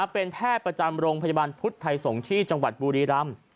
เป็นแพทย์ประจำโรงพยาบาลพุทธไทยสงฆ์ที่จังหวัดบุรีรำ